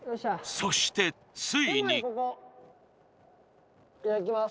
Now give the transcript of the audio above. そしてついにじゃあいきます